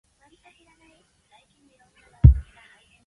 Gray's death came suddenly and no cause of death has been given.